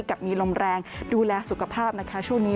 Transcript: กับมีลมแรงดูแลสุขภาพนะคะช่วงนี้